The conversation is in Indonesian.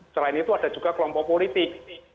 selain itu ada juga kelompok politik